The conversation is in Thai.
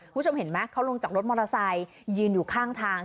คุณผู้ชมเห็นไหมเขาลงจากรถมอเตอร์ไซค์ยืนอยู่ข้างทาง